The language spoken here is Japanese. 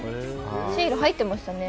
シール入ってましたね。